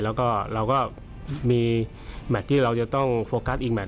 แล้วก็เราก็มีแมทที่เราจะต้องโฟกัสอีกแมท